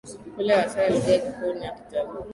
kule hasa wa lugha za Kikuyu na Kijaluo